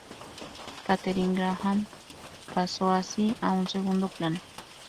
Katharine Graham pasó así a un segundo plano.